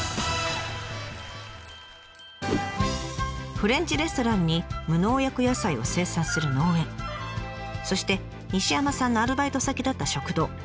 フレンチレストランに無農薬野菜を生産する農園そして西山さんのアルバイト先だった食堂。